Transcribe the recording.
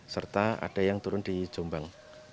serta ada yang turun di jombang